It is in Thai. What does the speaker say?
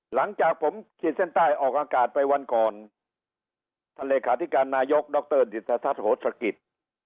หลังจากผมขีดเส้นใต้ออกอากาศไปวันก่อนท่านเลขาธิการนายกดรดิสทัศน์โหสกิจ